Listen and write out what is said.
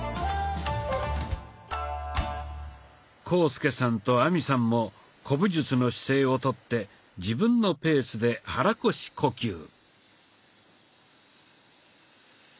浩介さんと亜美さんも古武術の姿勢をとって自分のペースで肚腰呼吸。